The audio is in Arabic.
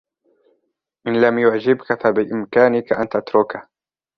إن لم يعجبك فبإمكانك أن تتركه.